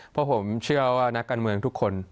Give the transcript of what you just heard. เพราะผมเชื่อว่านักการเมืองทุกคน